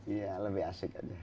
iya lebih asik aja